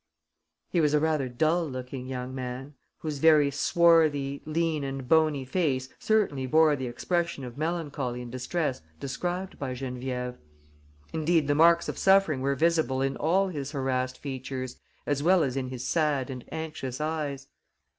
He was a rather dull looking young man, whose very swarthy, lean and bony face certainly bore the expression of melancholy and distress described by Geneviève. Indeed, the marks of suffering were visible in all his harassed features, as well as in his sad and anxious eyes.